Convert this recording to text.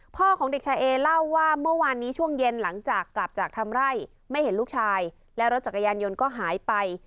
ของเด็กชายเอเล่าว่าเมื่อวานนี้ช่วงเย็นหลังจากกลับจากทำไร่ไม่เห็นลูกชายและรถจักรยานยนต์ก็หายไป